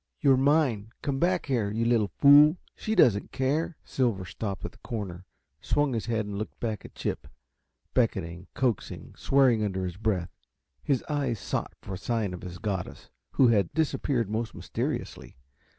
"You're mine. Come back here, you little fool she doesn't care." Silver stopped at the corner, swung his head and looked back at Chip, beckoning, coaxing, swearing under his breath. His eyes sought for sign of his goddess, who had disappeared most mysteriously.